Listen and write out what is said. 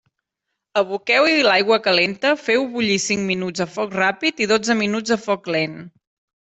Aboqueu-hi l'aigua calenta, feu-ho bullir cinc minuts a foc ràpid i dotze minuts a foc lent.